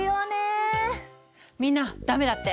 みんな駄目だって。